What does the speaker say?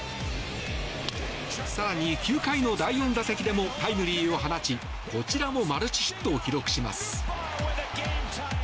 更に９回の第４打席でもタイムリーを放ちこちらもマルチヒットを記録します。